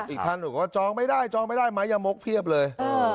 อีกท่านบอกว่าจองไม่ได้จองไม่ได้ไม้ยามกเพียบเลย